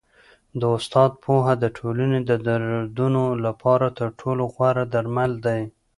د استاد پوهه د ټولني د دردونو لپاره تر ټولو غوره درمل دی.